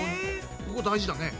ここ大事だね。